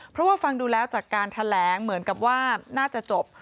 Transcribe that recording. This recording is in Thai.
เพราะว่าฟังดูแล้วจากการแถลงเหมือนกับว่าน่าจะจบ